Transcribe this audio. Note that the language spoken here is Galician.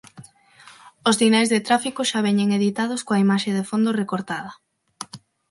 Os sinais de tráfico xa veñen editados coa imaxe de fondo recortada.